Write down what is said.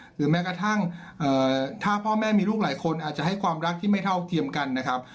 แม้กระทั่งถ้าพ่อแม่มีลูกหลายคนอาจจะให้ความรักที่ไม่เท่าเทียมกันนะครับ